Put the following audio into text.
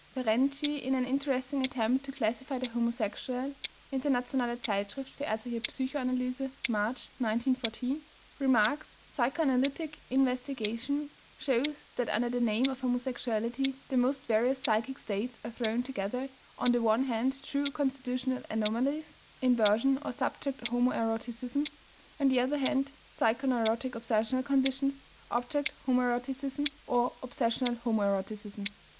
Ferenczi, in an interesting attempt to classify the homosexual (Internationale Zeitschrift für Aerztliche Psychoanalyse, March, 1914), remarks: "Psychoanalytic investigation shows that under the name of homosexuality the most various psychic states are thrown together, on the one hand true constitutional anomalies (inversion, or subject homoeroticism), on the other hand psychoneurotic obsessional conditions (object homoeroticism, or obsessional homoeroticism).